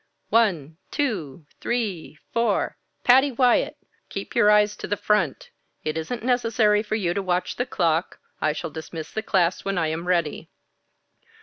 "One, two, three, four Patty Wyatt! Keep your eyes to the front. It isn't necessary for you to watch the clock. I shall dismiss the class when I am ready.